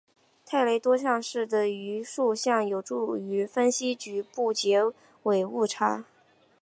泰勒多项式的余数项有助于分析局部截尾误差。